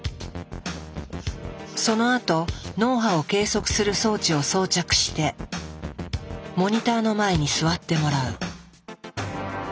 そのあと脳波を計測する装置を装着してモニターの前に座ってもらう。